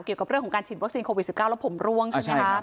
เกี่ยวกับเรื่องของการฉีดวัคซีนโควิด๑๙แล้วผมร่วงใช่ไหมคะ